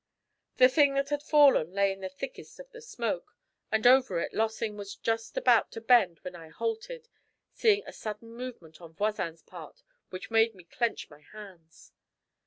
The thing that had fallen lay in the thickest of the smoke, and over it Lossing was just about to bend when I halted, seeing a sudden movement on Voisin's part which made me clench my hands.